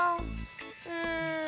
うん。